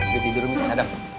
udah tidur umi sadap